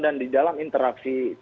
dan di dalam interaksi